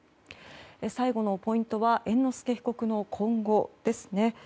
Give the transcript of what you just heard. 最後のポイントは猿之助被告の今後ですね。